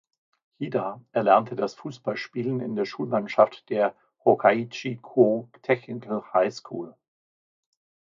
Hida erlernte das Fußballspielen in der Schulmannschaft der "Yokkaichi Chuo Technical High School".